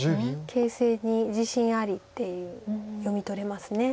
形勢に自信ありっていう読み取れます。